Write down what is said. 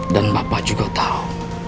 dan bapak juga tau